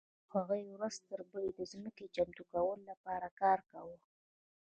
هغوی ورځ تر بلې د ځمکې د چمتو کولو لپاره کار کاوه.